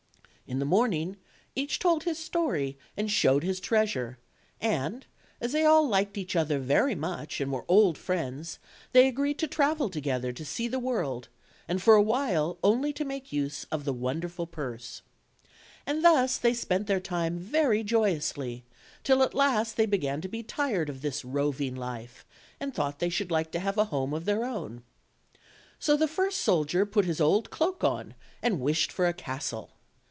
In the morning ach told his story and showed hia treasure; find, as tht^y all liked each other very much and OLD, OLD FAIRY TALES. 59 were old friends, they agreed to travel together to see the world and for awhile only to make use of the wonder ful purse. And thus they spent their time very joyously, till at last they began to" be tired of this roving life, and thought they should like to have a home of their own. So the first soldier put his old cloak on and wished for a castle.